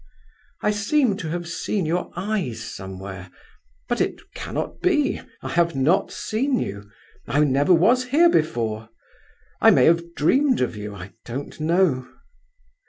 "I seem to have seen your eyes somewhere; but it cannot be! I have not seen you—I never was here before. I may have dreamed of you, I don't know."